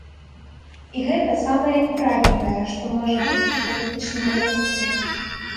І гэта самае няправільнае, што можа быць у палітычным развіцці.